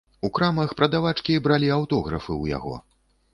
У крамах прадавачкі бралі аўтографы ў яго.